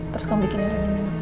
terus kamu bikin minum minum ya